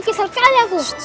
kesal kali ya bu